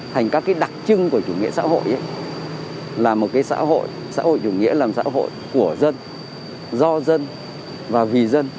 thành các cái đặc trưng của chủ nghĩa xã hội là một cái xã hội xã hội chủ nghĩa làm xã hội của dân do dân và vì dân